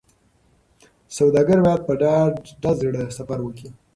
سوداګر باید په ډاډه زړه سفر وکړي.